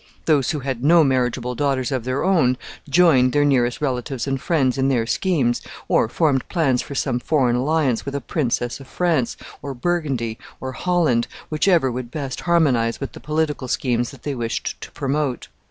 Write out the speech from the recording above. Those who had no marriageable daughters of their own joined their nearest relatives and friends in their schemes, or formed plans for some foreign alliance with a princess of France, or Burgundy, or Holland, whichever would best harmonize with the political schemes that they wished to promote.